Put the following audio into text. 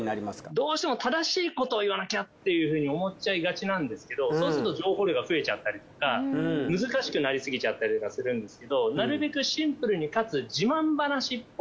どうしても正しいことを言わなきゃっていうふうに思っちゃいがちなんですけどそうすると情報量が増えちゃったりとか難しくなりすぎちゃったりとかするんですけどなるべく。